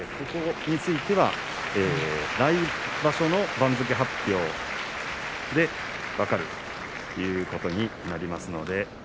ここについては来場所の番付発表で分かるということになります。